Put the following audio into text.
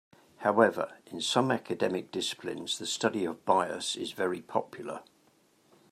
However, in some academic disciplines, the study of bias is very popular.